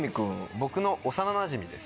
僕の幼なじみです。